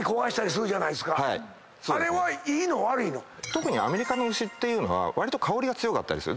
特にアメリカの牛っていうのはわりと香りが強かったりする。